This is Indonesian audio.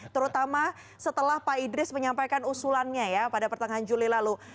terutama setelah pak idris menyampaikan usulannya ya pada pertengahan juli lalu